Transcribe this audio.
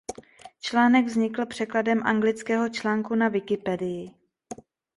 Článek vznikl překladem anglického článku na Wikipedii.